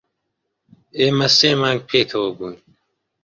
ئێمە سێ مانگ پێکەوە بووین.